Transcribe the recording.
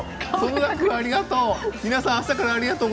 ありがとう。